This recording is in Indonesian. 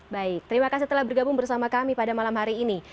baik terima kasih telah bergabung bersama kami pada malam hari ini